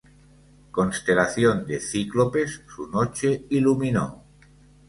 constelación de cíclopes su noche iluminó.